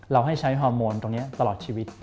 ให้ใช้ฮอร์โมนตรงนี้ตลอดชีวิต